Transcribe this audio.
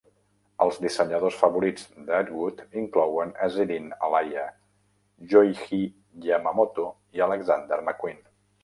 Els dissenyadors favorits d'Atwood inclouen Azzedine Alaia., Yohji Yamamoto i Alexander McQueen.